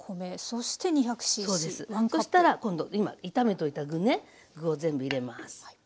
そうですそしたら今度今炒めといた具ね具を全部入れます。